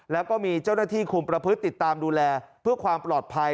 แล้วก็มีเจ้าหน้าที่คุมประพฤติติดตามดูแลเพื่อความปลอดภัย